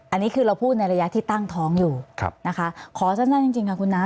อันนี้คือเราพูดในระยะที่ตั้งท้องอยู่นะคะขอสั้นจริงค่ะคุณน้า